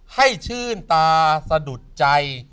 ให้ชื่นตาสะดุดใจ